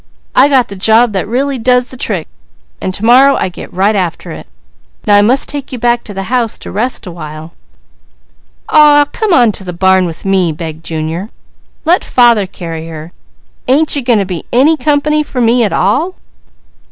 I got the job that really does the trick, and to morrow I get right after it. Now I must take you back to the house to rest a while." "Aw come on to the barn with me!" begged Junior. "Let father carry her! Ain't you going to be any company for me at all?"